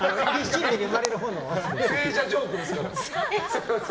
聖者ジョークですから。